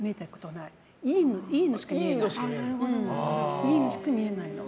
いいのしか見えないの。